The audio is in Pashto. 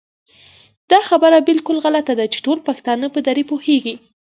دا خبره بالکل غلطه ده چې ټول پښتانه په دري پوهېږي